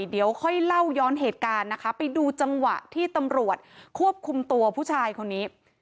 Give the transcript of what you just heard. เดี๋ยวค่อยเล่าย้อนเหตุการณ์นะคะไปดูจังหวะที่ตำรวจควบคุมตัวผู้ชายคนนี้